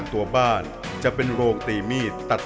เหมือนเล็บแบบงองเหมือนเล็บตลอดเวลา